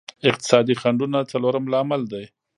اقتصادي خنډونه څلورم لامل دی.